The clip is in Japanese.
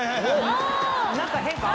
何か変か？